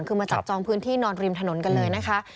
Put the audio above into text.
คือมาจับจองพื้นที่นอนริมถนนกันเลยนะคะ